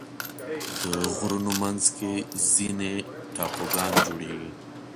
د غرونو منځ کې ځینې ټاپوګان جوړېږي.